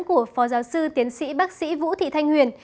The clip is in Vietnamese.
của phó giáo sư tiến sĩ bác sĩ vũ thị thanh huyền